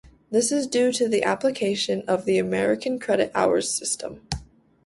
This is due to the application of the American Credit Hours System.